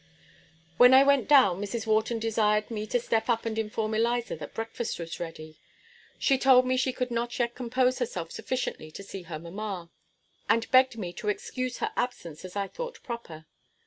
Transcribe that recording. When I went down, Mrs. Wharton desired me to step up and inform Eliza that breakfast was ready. She told me she could not yet compose herself sufficiently to see her mamma, and begged me to excuse her absence as I thought proper.